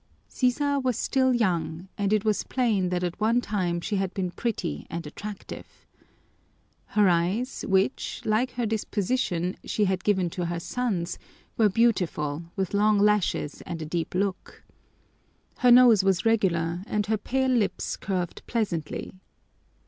Sisa was still young, and it was plain that at one time she had been pretty and attractive. Her eyes, which, like her disposition, she had given to her sons, were beautiful, with long lashes and a deep look. Her nose was regular and her pale lips curved pleasantly.